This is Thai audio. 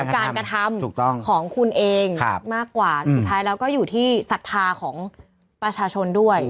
การกระทำของคุณเองมากกว่าสุดท้ายแล้วก็อยู่ที่ศรัทธาของประชาชนด้วย